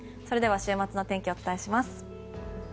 それでは週末の天気をお伝えします。